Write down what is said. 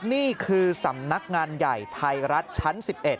นี่คือสำนักงานใหญ่ไทยรัฐชั้น๑๑